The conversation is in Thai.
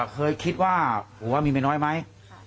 เคยคิดว่าผัวมีเมียน้อยไหม